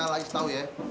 salah satu lagi tau ya